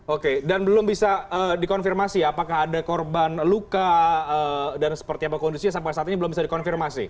oke dan belum bisa dikonfirmasi apakah ada korban luka dan seperti apa kondisinya sampai saat ini belum bisa dikonfirmasi